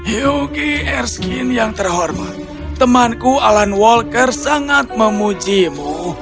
yugi erskine yang terhormat temanku alan walker sangat memujimu